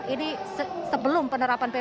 ini sebelum penerapan pp tiga puluh enam